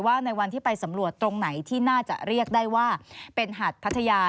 ในวันที่ไปสำรวจตรงไหนที่น่าจะเรียกได้ว่าเป็นหัดพัทยา